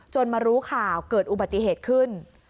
มารู้ข่าวเกิดอุบัติเหตุขึ้น